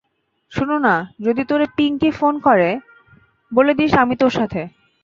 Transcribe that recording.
শোন না, যদি তোরে পিংকি ফোন করে, বলে দিস আমি তোর সাথে।